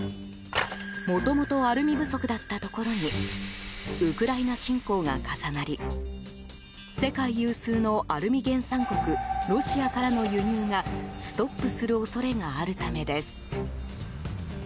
もともとアルミ不足だったところにウクライナ侵攻が重なり世界有数のアルミ原産国ロシアからの輸入がストップする恐れがあるためです。